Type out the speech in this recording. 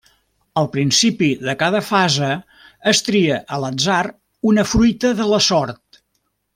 Al principi de cada fase es tria a l'atzar una fruita de la sort.